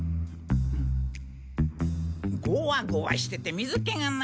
ゴワゴワしてて水けがない。